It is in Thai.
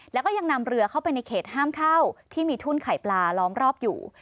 แล้วก็ยังนำเรือเข้าไปในเขตห้ามเข้าที่มีทุ่นไข่ปลาล้อมรอบอยู่